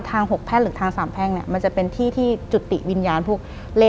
หลังจากนั้นเราไม่ได้คุยกันนะคะเดินเข้าบ้านอืม